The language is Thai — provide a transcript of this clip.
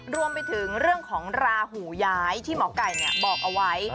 รวมไปถึงเรื่องของราหูย้ายที่หมอไก่บอกเอาไว้